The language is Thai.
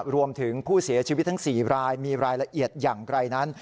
รวมถึงผู้เสียชีวิตทั้ง๔รายมีรายละเอียดอย่างไรนั้น